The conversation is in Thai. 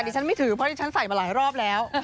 ฉันไม่ถือเพราะดิฉันใส่มาหลายรอบแล้ว